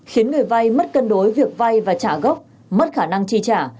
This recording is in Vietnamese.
khiến người vay mất cân đối việc vay và trả gốc mất khả năng chi trả